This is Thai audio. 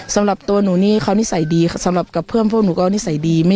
สำหรับตัวหนูนี่เขานิสัยดีสำหรับกับเพื่อนพวกหนูก็นิสัยดี